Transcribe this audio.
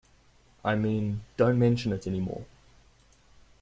I mean, don't mention it any more.